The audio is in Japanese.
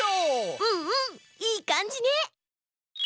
うんうんいい感じね！